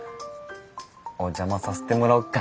お邪魔させてもらおっか。